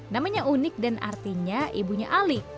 namanya unik dan artinya ibunya ali